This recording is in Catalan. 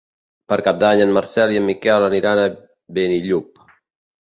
Per Cap d'Any en Marcel i en Miquel aniran a Benillup.